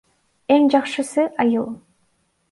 Эң жакшысы — айыл.